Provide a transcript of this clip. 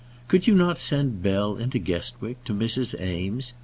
"Could you not send Bell into Guestwick, to Mrs. Eames's?"